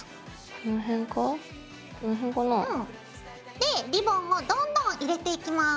でリボンをどんどん入れていきます。